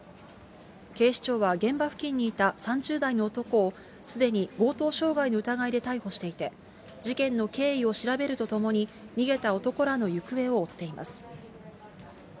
警視庁は現場付近にいた３０代の男を、すでに強盗傷害の疑いで逮捕していて、事件の経緯を調べるとともに、逃げた男らの行方を追っています。